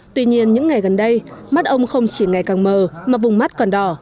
tuy nhiên những ngày gần đây mắt ông không chỉ ngày càng mờ mà vùng mắt còn đỏ